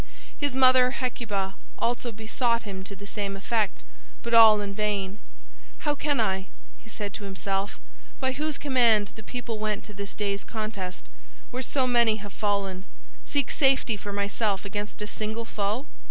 His mother, Hecuba, also besought him to the same effect, but all in vain. "How can I," said he to himself, "by whose command the people went to this day's contest, where so many have fallen, seek safety for myself against a single foe?